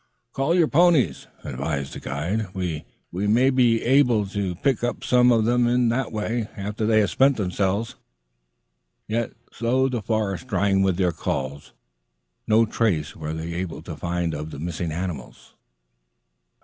"Call your ponies," advised the guide. "We may be able to pick up some of them in that way after they have spent themselves." Yet, though the forest rang with their calls, no trace were they able to find of the missing animals.